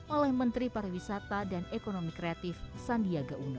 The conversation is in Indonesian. oleh menteri pariwisata dan ekonomi kreatif sandiaga uno